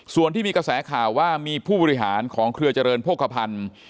ส่วนที่มีกระแสข่าวว่ามีผู้บริหารของเครือเจริญโภคภัณฑ์